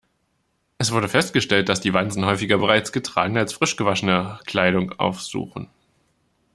Es wurde festgestellt, dass die Wanzen häufiger bereits getragene als frisch gewaschene Kleidung aufsuchen.